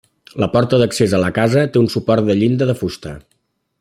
La porta d'accés a la casa té un suport de llinda de fusta.